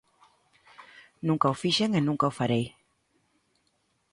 Nunca o fixen e nunca o farei.